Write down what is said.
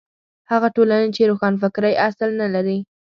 هغه ټولنې چې روښانفکرۍ اصل نه لري.